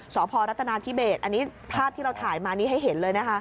สพรัฐนาธิเบสอันนี้ภาพที่เราถ่ายมานี้ให้เห็นเลยนะคะ